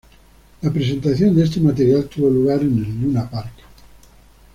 La presentación de este material tuvo lugar en el Luna Park.